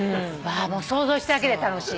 想像しただけで楽しい。